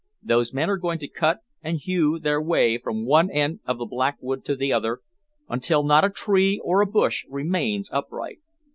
"Those men are going to cut and hew their way from one end of the Black Wood to the other, until not a tree or a bush remains upright.